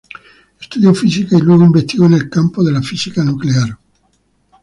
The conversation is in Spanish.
Estudió física y luego investigó en el campo de la física nuclear.